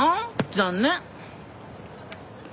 残念。